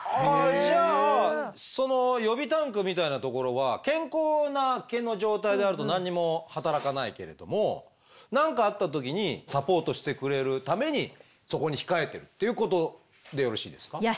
じゃあその予備タンクみたいなところは健康な毛の状態であると何にも働かないけれども何かあった時にサポートしてくれるためにそこに控えてるということでよろしいですか？